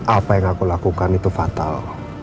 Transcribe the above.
apa yang aku lakukan itu fatal